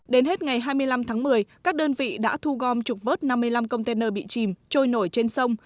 đến hết ngày hai mươi năm tháng một mươi các đơn vị đã thu gom trục vớt năm mươi năm container bị chìm trôi nổi trên sông